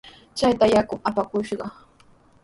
Chataqa yakumi apakushqa.